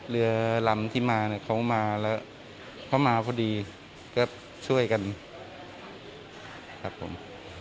เรือลำที่มาเนี่ยเขามาแล้วเขามาพอดีก็ช่วยกันครับผม